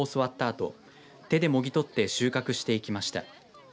あと手でもぎ取って収穫していきました。